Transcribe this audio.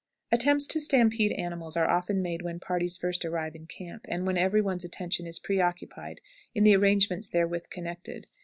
Attempts to stampede animals are often made when parties first arrive in camp, and when every one's attention is preoccupied in the arrangements therewith connected.